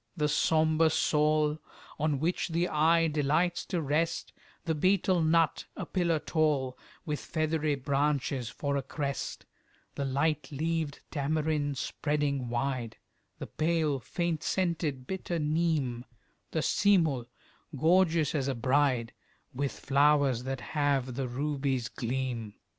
The sombre saul, On which the eye delights to rest, The betel nut, a pillar tall, With feathery branches for a crest, The light leaved tamarind spreading wide, The pale faint scented bitter neem, The seemul, gorgeous as a bride, With flowers that have the ruby's gleam.